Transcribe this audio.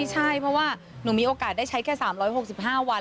ใช่เพราะว่าหนูมีโอกาสได้ใช้แค่๓๖๕วัน